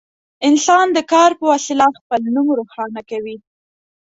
انسان د کار په وسیله خپل نوم روښانه کوي.